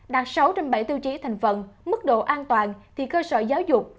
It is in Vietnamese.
đạt sáu trên bảy tiêu chí thành phần mức độ an toàn thì cơ sở giáo dục